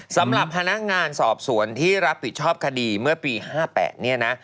สำหรับพนักงานสอบสวนที่รับผิดชอบคดีเมื่อปี๕๘เนี่ยนะ